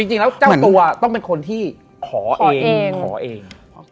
จริงแล้วเจ้าตัวต้องเป็นคนที่ขอเองขอเอง